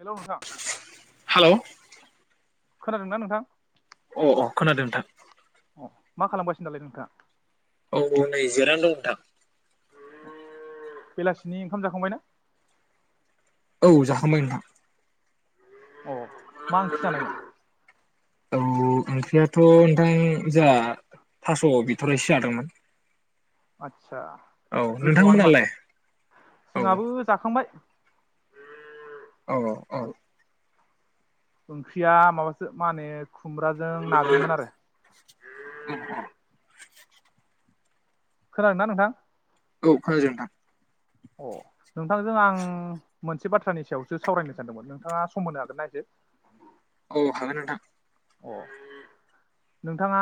Hello! नोंथा। Hello अ खोनादोंना नोंथां? अ अ खोनादों नोंथां। अ मा खालामगासिनो दालाय नोंथाङा? औ औ नै जिरायनानै दं नोंथां। [inaudible] बेलासिनि ओंखाम जाखांबाय ना? औ जाखांबाय नोंथां। अ मा ओंख्रि जानायमोन? औ ओंख्रियाथ नोंथां जाहा थास' बिथरायसो जादोंमोन। आदसा औ गोथावआनो नोंथांमोनालाय माथो औ जोंहाबो जाखांबाय औ औ औ ओंख्रिया माबासो मा होनो खुमब्राजों नाजोंमोन आरो खोनादोंना नोंथां? औ खोनादों नोंथां, अ नोंथांजों आं मोनसे बाथ्रानि सायावसो सावरायनो सानदोंमोन नोंथाङा सम होनो हागोनना एसे? औ हागोन नोंथां, अ नोंथाङा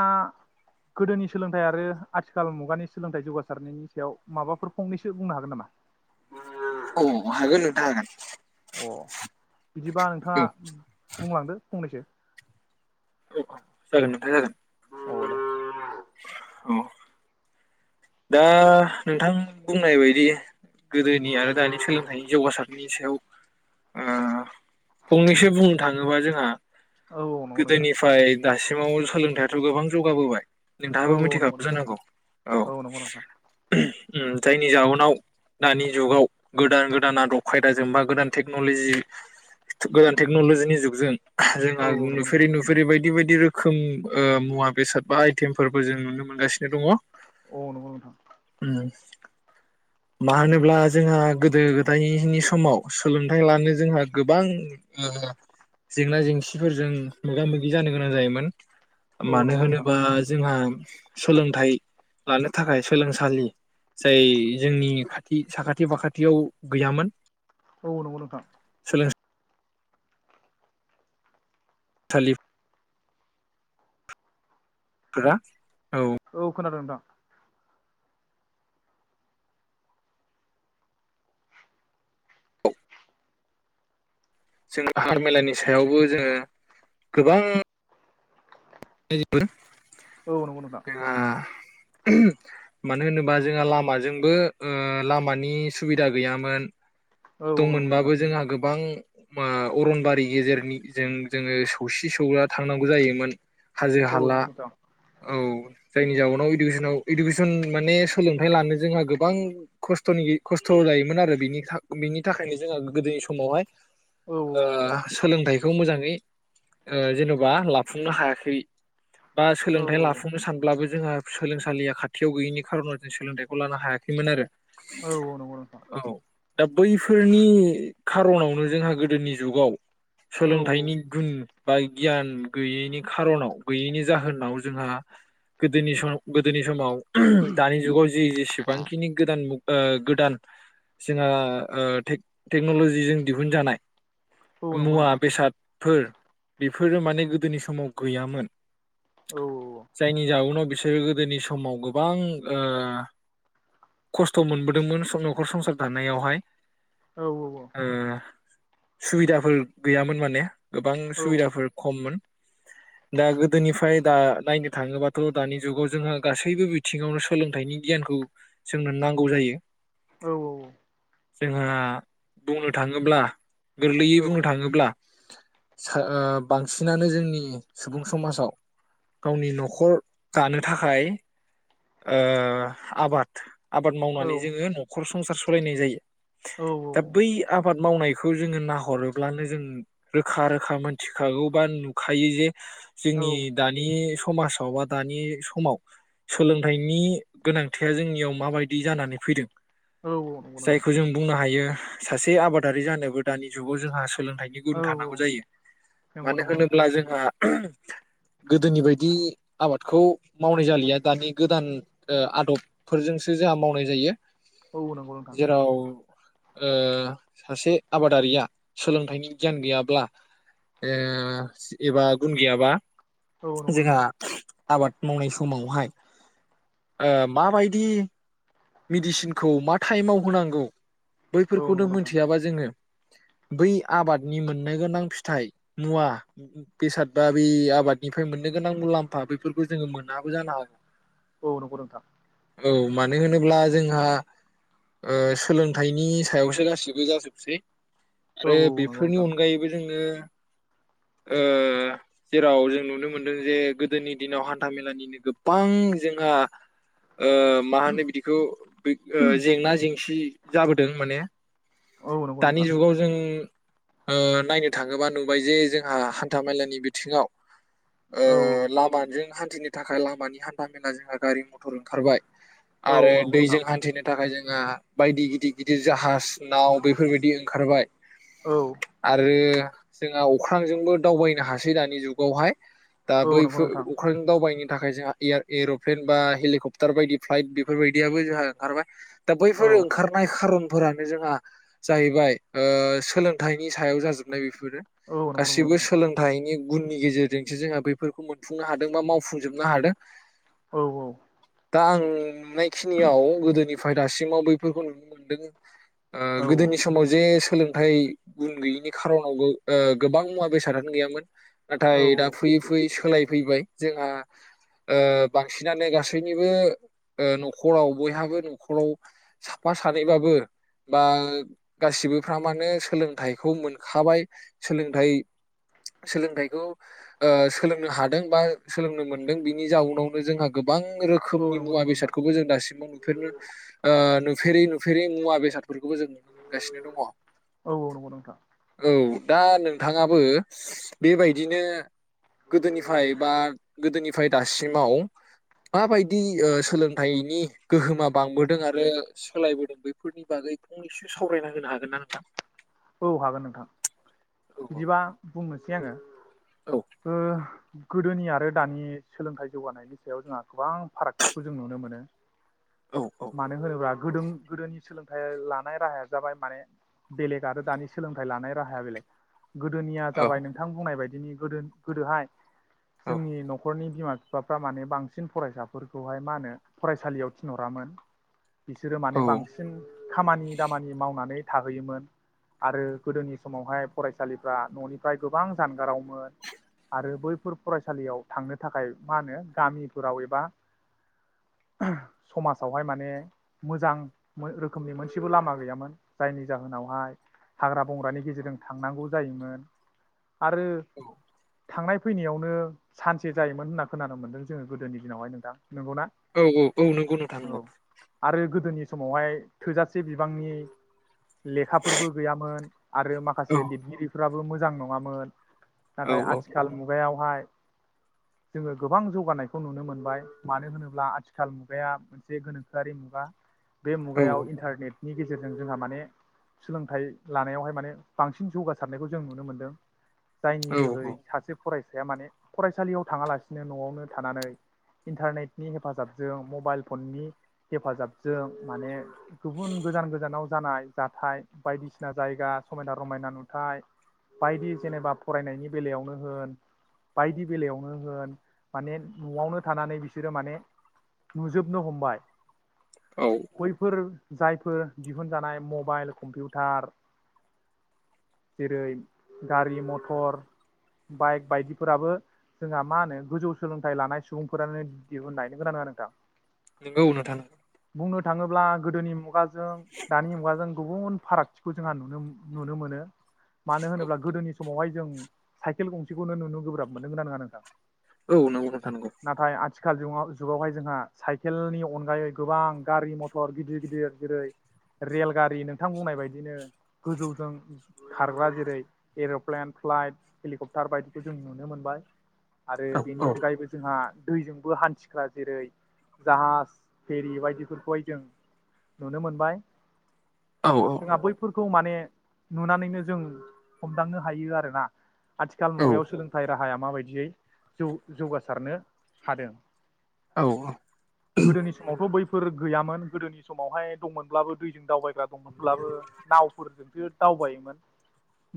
गोदोनि सोलोंथाइ आरो आथिखाल मुगानि सोलोंथाइ जौगासारनायनि सायाव माबाफोर फंनैसो बुंनो हागोन नामा? औ हागोन नोंथां अ बिदिबा औ नोंथाङा बुंलांदो फंनैसो, औ जागोन नोंथां जागोन [unintelligible] औ दा नोंथां बुंनाय बायदि गोदोनि आरो दानि सोलोंथाइनि जौगासारनि सायाव ओ फंनैसो बुंनो थाङोबा जों औ औ [unintelligible] नंगौ नोंथां गोदोनिफ्राय दासिम सिमाव सोलोंथायाथ' गोबां जौगाबोबाय औ नोंथाङाबो औ नंगौ मिथिखागौ नोंथां जानांगौ औ नंगौ नोंथां [unintelligible] जायनि जाउनाव दानि जुगाव गोदान गोदान आदब खायदाजों बा गोदान टेक्नलजि गोदान टेक्न'लजिनि जुगजों औ जोंहा नंगौ नोंथां नुफेरै नुफेरै बायदि बायदि बायदि रोखोम ओ मुवा बेसाद बा आइटेमफोरबो जों नुनो मोनगासिनो दङ औ नंगौ नोंथां [unintelligible] मानो होनोब्ला जोंहा गोदो गोदायनि समाव सोलोंथाइ लानो जोंहा गोबां ओ जेंना जेंसिफोरजों मोगा मोगि जानो गोनां जायोमोन। औ मानो नंगौ नोंथां होनोबा जोंहा सोलोंथाइ लानो थाखाय सोलोंसालि जाय जोंनि खाथि साखाथि फाखाथियाव गैयामोन औ नंगौ नोंथां [unintelligible] [unintelligible] [unintelligible] औ खोनादों नोंथां जोङो हान्था मेलानि सायावबो जोङो गोबां [unintelligible] औ नंगौ नामा मानो होनोबा जोंहा लामाजोंबो लामानि सुबिदा गैयामोन औ औ नंगौ नोंथां दंमोनबाबो जोंहा गोबां मा‌ अरनबारि गेजेरनिजों जोङो सौसि सौला थांनांगौ जायोमोन हाजो औ हाला नंगौ नोंथां औ जायनि जाउनाव इडुकेसनाव इडुकेसन माने सोलोंथाइ लानो जोंहा गोबां खस्थ' ' खस्थ' जायोमोन आरो बेनि बिनि थाखायनो जोंहा गोदोनि समावहाय औ औ नंगौ नोंथां सोलोंथाइ बेखौ मोजाङै जेन'बा लाफुंनो हायाखै बा औ सोलोंथाइ लाफुंनो सानब्लाबो जोंहा सोलोंसालिया खाथियाव गैयिनि खार'नाव जों सोलोंथाइखौ लानो हायाखैमोन आरो औ औ नंगौ नोंथां औ दा बैफोरनि खारनावनो जोंहा गोदोनि जुगाव औ सोलोंथाइनि गुन बा गियान गैयैनि खार'नाव गैयैनि जाहोनाव जोंहा गोदोनि सम गोदोनि समाव दानि जुगाव जे जेसेबांखिनि गोदान मुग गोदान जोंहा टेक्न'लजिजों दिहुनजानाय औ नंगौ मुवा नोंथां बेसाद फोर बेफोरो माने गोदोनि समाव गैयामोन औ औ जायनि जाउनाव बिसोरो गोदोनि समाव गोबां खस्थ' मोनबोदोंमोन न'खर संसार दानायावहाय नंगौ ओ सुबिदाफोर गैयामोन माने गोबां सुबिदाफोर खममोन दा गोदोनिफ्राय दा नायनो थाङोबाथ' दानि जुगाव जोंहा गासैबो बिथिङावनो सोलोंथाइनि गियानखौ जोंनो नांगौ जायो औ औ जोंहा बुंनो थाङोब्ला गोरलैयै बुंनो थाङोब्ला बांसिनानो जोंनि सुबुं समाजाव गावनि न'खर जानो थाखाय आबाद आबाद मावनानै जोङो न'खर खर संसार सलायनाय जायो औ दा औ बै आबाद मावनायखौ जोङो नाहरोब्लानो जों रोखा रोखा मोनथिखागौ बा नुखायो जे जोंनि दानि समाजाव बा दानि समाव सोलोंथाइनि गोनांथिया जोंनियाव माबायदि जानानै फैदों जायखौ जों बुंनो हायो सासे आबादारि जानोबो दानि जुगाव जोंहा सोलोंथाइनि गुन थानांगौ जायो मानो नंगौ नोंथां होनोब्ला जोंहा गोदोनि बायदि आबादखौ मावनाय जालिया दानि गोदान आदबफोरजोंसो जोंहा मावनाय जायो औ नंगौ नोंथां औ नंगौ जेराव ओ सासे आबादारिया सोलोंथाइनि गियान गैयाब्लाओ एबा गुन गैयाबा जोंहा नोंथां आबाद मावनाय समावहाय ओ माबायदि मेडिसिनखौ मा टाइमाव होनांगौ? औ बैफोरखौनो नंगौ नोंथां मोनथियाबा जोङो बै आबादनि मोननो गोनां फिथाइ मुवा बेसाद बा बै आबादनिफ्राय मोननो गोनां मुलाम्फा बेफोरखौ जोङो मोनाबो जानो हागौ औ नंगौ नोंथां औ मानो होनो अब्ला जोंहा ओ सोलोंथाइनि सायावसो गाैबो जाजोबसै औ आरो नंगौ बेफोरनि नोंथां अनगायैबो जोङो ओ जेराव जों नुनो मोनदों जे गोदोनि दिनाव हान्था मेलानिनो गोबां जोंहा ओ मा होनो बिदि खौ जेंना जेंसि जाबोदों माने औ नंगौ दानि नोंथां जुगाव जों ओ नायनो थाङोबा नुबाय जे जोंहा हान्था मेलानि बिथिङाव ओ औ लामा जों थिनि थाखाय लामानि हान्था मेला जोंहा गारि मथर ओंखारबाय औ आरो नंगौ नोंथां दैजों हान्थिनो थाखाय जों ना बायदि गिदिर गिदिर जाहाज नाव बेफोरबायदि ओंखारबाय औ आरो जोंहा अख्रांजोंबो दावबायनो हासै दानि जुगावहाय दा औ नंगौ बैफोर नोंथां अख्राजों दावबायनो थाखाय जोंहाय एरप्लेन बा हेलिकप्टार बायदि फ्लाइट बेफोरबायदियाबो जोंहा ओंखारबाय दा औ बैफोर ओंखारनाय खारन फोरानो जोंहा जाहैबाय ओ सोलोंथाइनि सायाव जाजोबनाय बे फोरो औ नंगौ नंगौ गासिबो नोंथां सोलोंथाइनि गुननि गेजेरजोंसो जोंहा बेफोरखौ मोनफुंनो हादों बा मावफुंजोबनो हादों औ औ दा आं नुनाय खिनियाव गोदोनि फाय दासिमाव बैफोरखौ नुनो मोनदों। ओ औ गोदोनि समाव जे सोलोंथाइ गुन गैयिनि खार'नावबो ओ गोबां मुवा बेसादानो गैयामोन ना औ थाय दा फयै फैयै सोलायफैबाय जोंहा ओ बांसिनानो गासैनिबो ओ न'खराव बयहाबो न'खराव साफा सानैबाबो बा गासिबोफ्रा मानोे सोलोंथाइखौ मोनखाबाय सोलोंथाइ सोलोंथाइखौ सोलोंनो हादों बा सोलोंनो मोनदों बिनि जाउनावनो जोंहा गोबां रोखोमनि नंगौ नंगौ मुवा नोंथां बेसाद दासिमाव नुेरनो ओ नुेरै नुफेरै मुवा बेसाद बेफोरखौबो जों नुनो मोनगासिनो दङ औ औ औ नंगौ नोंथां दा नोंथाङाबो बेबायदिनो गोदोनिफ्राय बा गोदोनिफ्राय दासिमाव माबायदि सोलों थायनि गोहोमा बांबोदों आरो, सोलायबोदों बैफोरनि बागै फंनैसो सावरायना होनो हागोन ना नोंथा? औ हागोन नोंथां औ बिदिबा बुंनोसै। सि आङो औ द। गोदोनि आरो दानि सोलोंथाइ जौगानायनि सायाव जोंहा गोबां फारागथिखौ जों नुनो मोनो। औ औ मानि होन गोदों गोदोनि सोलोंथाइ लानाय राहाया जाबाय माने, बेलेग आरो दानि सोलोंथाइ लानायनि राहाया बेलाय गोदोनिया औ जाबाय नोंथां बुंनाय बायदि। बिनि गोदो गोदोहाय औ जोंनि न'खरनि। बिमा बिफाफ्रा माने बांसिन फरायसाफोरखौहाय मा होनो फरायसालियाव थिनहरामोन। बिसोरो माने औ बांसिन खामानि दामानि मावनानै थाहैयोमोन। आरो गोदोनि समावहाय फरायसालिफ्रा न'निफ्राय गोबां जानगारावमोन। आरो बैफोर फरायसालियाव थांनो थाखाय मा होनो गामिफोराव एबा समाजावहाय माने मोजां रोखोमनि मोनसेबो लामा गैयामोन जायनि जाहोनावहाय। हाग्रा बंग्रानि गेजेरजों थांनांगौ जायोमोन। आरो थांनाय फैनायावनो सानसे जायोमोन होनना खोनानो मोनदों जोङो गोदोनि दिनावहाय नोंथां। नंगौना औ औ औ नंगौ नोंथां नंगौ। औ आरो गोदोनि समावहाय थोजासे बिबांनि लेखा फोरबो गैयामोन आरो औ माखासे लिरगिरि फोराबो मोजां नङामोन। औ नाथाय औ आथिखाल मुगायाव बेवहाय जोङो गोबां जौगानायखौ नुनो मोनबाय, मानो होनोब्ला आथिखाल मुगाया मोनसे गोनोखोआरि मुगा बे औ मुगायाव इन्टारनेट। नि गेजेरजों जोंहा माने सोलोंथाइ लानायावहाय माने बांसिन जौगासारनायखौ जों नुनो मोनदों। जायनि औ जोहै औ सासे फरायसा फिसाया माने फरायसालियाव थाङालासिनो, न'आवनो थानानै इन्टारनेटनि हेफाजाबजों, मबाइल फननि हेफाजाबजों माने गुबुन गोजान गोजानाव जानाय जाथाय बायदिसिना जायगा समायना रमायना नुथाय, बायदि जेनेबा फरायनायनि बेलायावनो होन बायदि बेलायावनो होन माने न'आवनो थानानै बिसोरो माने नुजोबनो हमबाय। औ बैफोर जायफोर दिहुनजानाय मबाइल कम्पिउटार जेरै गारि, मथर, बाइक बायदिफोराबो जोंहा मा होनो गोजौ सोलोंथाइ लानाय सुबुंफोरानो दिहुननाय नोंगौना नोङा नोंथां? नोंगौ नोंथां नोंगौ। बुंनो थाङोब्ला गोदोनि मुगा जों दानि मुगाजों गुबुन फारागथिखौ जोंहा नुनो नुनो मोनो। मानो औ होनोब्ला गोदोनि समावहाय जों साइकेल गंसेखौनो नुनो गोब्राब मोन। नोंगौना नोङा नोंथां? औ नोंगौ नोंथां नोंगौ। नाथाय आथिखाल जुग जुगावहाय जोंहा साइकेलनि अनगायै गोबां गारि मथर गिदिर गिदिर जेरै रेल गारि नोंथां बुंनाय बायदिनो गोजौजों खारग्रा जेरै एर'प्लेन, फ्लाइट, हेलिकप्टार बायदिखौ जों नुनो मोनबाय। आरो औ बेनि औ अनगायैबो जोंहा दैजोंबो हान्थिग्रा जेरै जाहाज, फेरि बायदिफोरखौहाय जों नुनो मोनबाय। औ जोंहा बैफोर खौ माने नुनानैनो जों हमदांनो हायो आरोना। आथिखाल औ मुगायाव सोलोंथाइ रा हाया माबायदियै जौ-जौगासारनो हादों। औ गोदोनि समावथ' बै फोर गैयामोन गोदोनि समावहाय दंमोनब्लाबो दैजों दावबायग्रा दंमोनब्लाबो नावफोरजोंसो दावबायोमोन।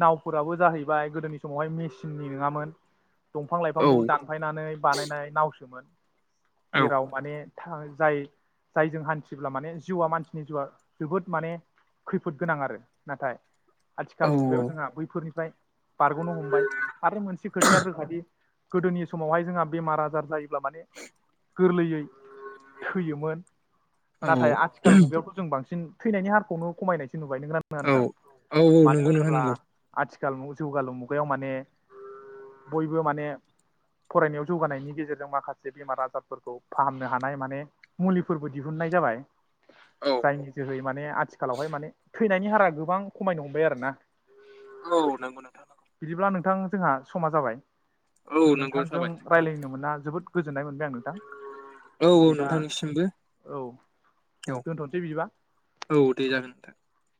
नावफोराबो जाहैबाय गोदोनि समावहाय मेसिननि नङामोन। दंफां औ लाइफांखौ दानफायनानै बानायनाय नावसोमोन। औ जेराव माने जाय जायजों हान्थिब्ला माने जिउआ मानसिनि जिउआ जोबोद माने खैफोद गोनां आरो। नाथाय आथिखाल औ मुगायाव जोंहा बैफोरनिफ्राय बारग'नो हमबाय। आरो मोनसे खोथाया रोखादि गोदोनि समावहाय जोंहा बेमार आजार जायो ब्ला माने गोरलैयै थैयोमोन। नाथाय आथिखाल मुगायावथ' जों बांसिन थैनायनि हा खौनो खमायनाय सो नुबाय नोंगोना नोंङा नोंथां? औ मानो नंगौ नोंथां होनोब्ला नंगौ आथि जालमु जौगालु मुगायाव माने बयबो माने फरायनायाव जौगानायनि गेजेरजों माखासे बेमार आजारफोरखौ फाहामनो हानाय माने मुलिफोरबो दिहुननाय जाबाय। औ जायनि जोहै माने आथि खालावहाय माने थैनायनि हारा गोबां खमायनो हमबाय आरो ना? औ नंगौ नोंथां थां जोंहा समा जाबाय। औ नंगौ नोंथांजों जाबाय रायलायनो मोना जोबोद गोजोननाय मोनबाय आं नोंथां औ बिदिबा नोंथांनिसिमबो औ औ दोनथ'नोसै बिदिबा। औ [inaudible]